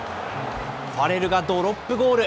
ファレルがドロップゴール。